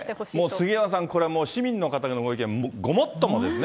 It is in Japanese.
もう杉山さん、これ、市民の方のご意見、ごもっともですね。